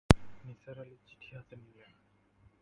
নিসার আলি চিঠি হাতে নিলেন।